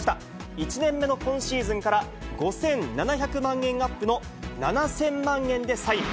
１年目の今シーズンから５７００万円アップの７０００万円でサイン。